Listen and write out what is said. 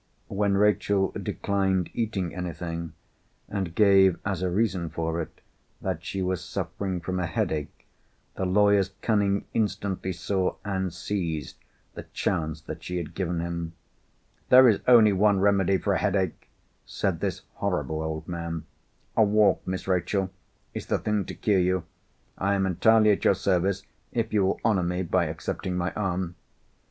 When Rachel declined eating anything, and gave as a reason for it that she was suffering from a headache, the lawyer's cunning instantly saw, and seized, the chance that she had given him. "There is only one remedy for a headache," said this horrible old man. "A walk, Miss Rachel, is the thing to cure you. I am entirely at your service, if you will honour me by accepting my arm."